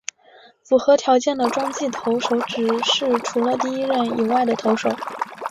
符合条件的中继投手指的是除了第一任以外的投手。